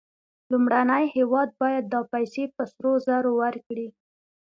لومړنی هېواد باید دا پیسې په سرو زرو ورکړي